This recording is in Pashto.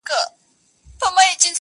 او پر زړه یې د شیطان سیوری را خپور سي -